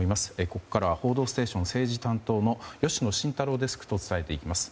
ここからは「報道ステーション」政治担当の吉野真太郎デスクと伝えていきます。